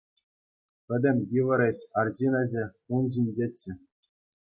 Пӗтӗм йывӑр ĕç, арҫын ĕçĕ, ун ҫинчеччӗ.